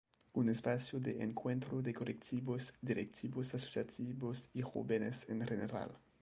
Un espacio de encuentro de colectivos, directivos asociativos y jóvenes en general.